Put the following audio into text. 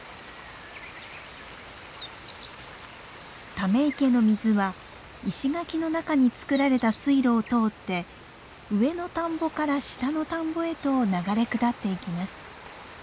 ため池の水は石垣の中につくられた水路を通って上の田んぼから下の田んぼへと流れ下っていきます。